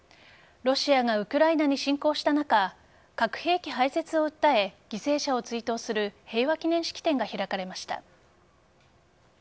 ロシアがウクライナに侵攻した中核兵器廃絶を訴え犠牲者を追悼する平和記念式典が開かれました。